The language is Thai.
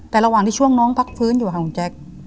แต่ระหว่างที่ช่วงน้องพักฟื้นอยู่ค่ะคุณแจ๊ค